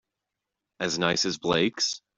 As nice as Blake's?